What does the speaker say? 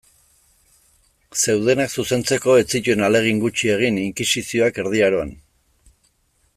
Zeudenak zuzentzeko ez zituen ahalegin gutxi egin inkisizioak Erdi Aroan.